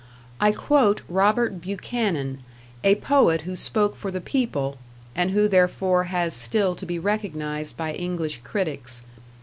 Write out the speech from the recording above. I quote Robert Buchanan, a poet who spoke for the people, and who therefore has still to be recognized by English critics.